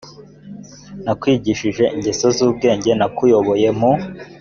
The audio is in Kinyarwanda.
nakwigishije ingeso z ubwenge nakuyoboye mu